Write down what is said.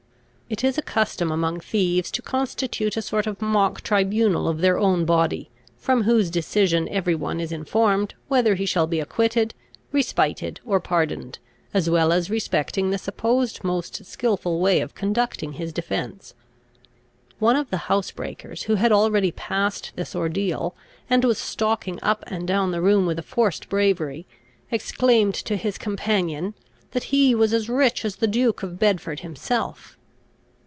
It is a custom among thieves to constitute a sort of mock tribunal of their own body, from whose decision every one is informed whether he shall be acquitted, respited, or pardoned, as well as respecting the supposed most skilful way of conducting his defence. One of the housebreakers, who had already passed this ordeal, and was stalking up and down the room with a forced bravery, exclaimed to his companion, that he was as rich as the Duke of Bedford himself.